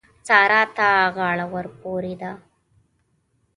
سارا ته غاړه ورپورې ده.